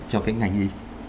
cho cái ngành y